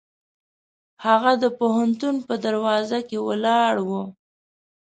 هغه د پوهنتون په دروازه کې ولاړ و.